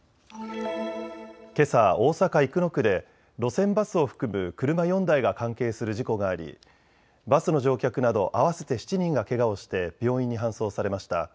けさ大阪生野区で路線バスを含む車４台が関係する事故がありバスの乗客など合わせて７人がけがをして病院に搬送されました。